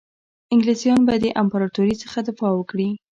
انګلیسیان به د امپراطوري څخه دفاع وکړي.